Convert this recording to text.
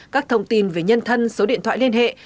các thông tin về nhân thân số điện thoại liên hệ